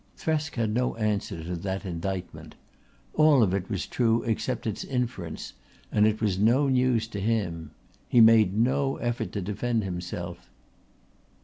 Thresk had no answer to that indictment. All of it was true except its inference, and it was no news to him. He made no effort to defend himself.